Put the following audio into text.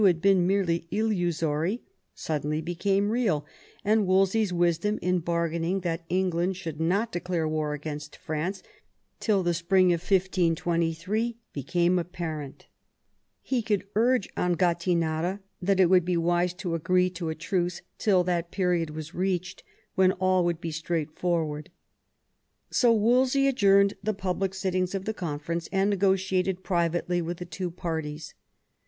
had been merely illusory, suddenly became real, and Wolsey's wisdom in bargaining that England should not declare war against France till the spring of 1623 became apparent He could urge on Gattinara that it would be wise to agree to a truce till that period was reached ; then all would be straightforward. So Wol sey adjourned the public sittings of the conference, and negotiated privately with the two parties.